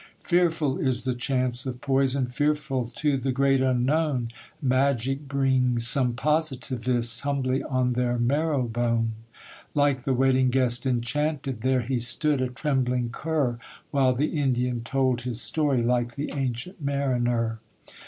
Fearful is the chance of poison: Fearful, too, the great unknown: Magic brings some positivists Humbly on their marrow bone. Like the wedding guest enchanted, There he stood, a trembling cur; While the Indian told his story, Like the Ancient Mariner.